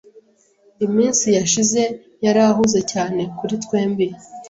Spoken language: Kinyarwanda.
Iminsi yashize yarahuze cyane kuri twembi.